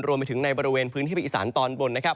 รวมไปถึงในบริเวณพื้นที่ภาคอีสานตอนบนนะครับ